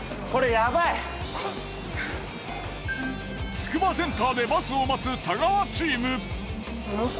つくばセンターでバスを待つ太川チーム。